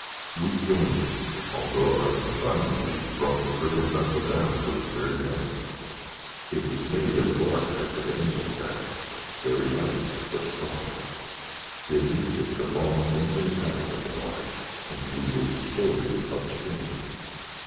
We joined him, although our combined weight brought the frail vessel down to its very gunwales. It was made of bark after the Indian fashion, very light, but strong. Biddon dipped a long Indian paddle in the water and we moved slowly up stream.